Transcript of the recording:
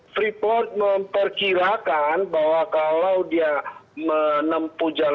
freeport memperkirakan bahwa kalau dia menempu jangka